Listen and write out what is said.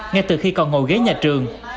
ngay từ khi còn ngồi ghế nhà trường